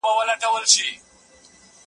زما ورور په خپله ځمکه کې د مالټو باغ جوړ کړی.